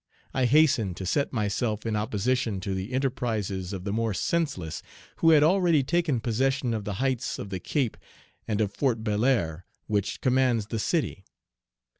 I hastened to set myself in opposition to the enterprises of the more senseless, who had already taken possession of the heights of the Cape and of Fort Belair which commands the city.